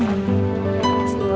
terima kasih ibu